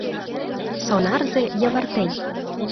Сонарзе йывыртен.